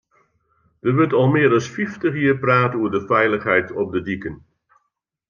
Der wurdt al mear as fyftich jier praat oer de feilichheid op de diken.